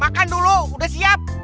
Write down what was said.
makan dulu udah siap